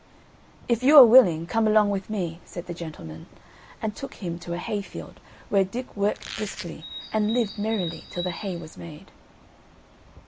"If you are willing, come along with me," said the gentleman, and took him to a hay field, where Dick worked briskly, and lived merrily till the hay was made.